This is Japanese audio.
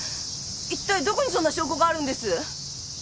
一体どこにそんな証拠があるんです？